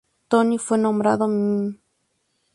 Tony fue nombrado "Mr.